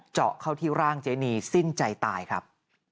เจาะเข้าที่ร่างเจนีสิ้นใจตายครับ